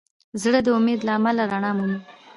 زړه د امید له امله رڼا مومي.